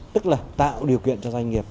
tức là tạo điều kiện cho doanh nghiệp